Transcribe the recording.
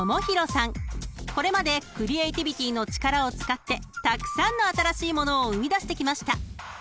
［これまでクリエーティビティの力を使ってたくさんの新しいものを生み出してきました］